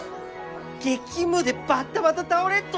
激務でバタバタ倒れっと。